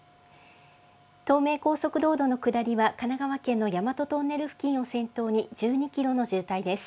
東名高速道路の下りは、神奈川県の大和トンネル付近を先頭に、１２キロの渋滞です。